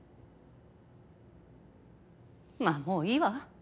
まあもういいわ。